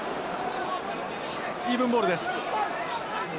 イーブンボールです。